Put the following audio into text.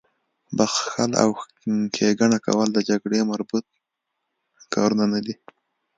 بخښل او ښېګڼه کول د جګړې مربوط کارونه نه دي